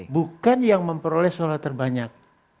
bukan yang memperoleh solar terbanyak